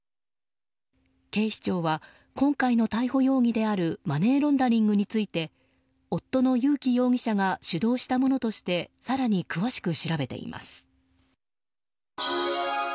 警視庁は、今回の逮捕容疑であるマネーロンダリングについて夫の友紀容疑者が主導したものとして更に詳しく調べています。